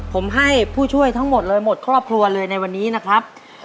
ผมให้ผู้ช่วยทั้งหมดเลยหมดครอบครัวเลยในวันนี้นะครับ